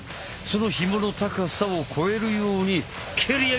そのひもの高さを超えるように蹴り上げる！